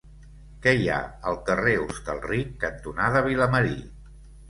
Què hi ha al carrer Hostalric cantonada Vilamarí?